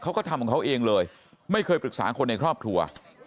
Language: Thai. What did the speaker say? เขาก็ทำของเขาเองเลยไม่เคยปรึกษาคนในครอบครัว